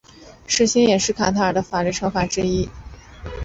石刑也是卡塔尔的法律惩罚之一。